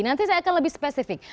nanti saya akan lebih spesifik